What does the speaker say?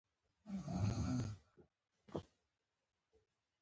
. يو ماښام يوه جومات ته ور وګرځېدم،